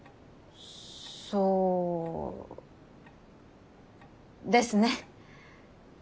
そうですね！